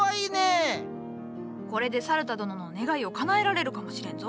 これで猿太殿の願いをかなえられるかもしれんぞ？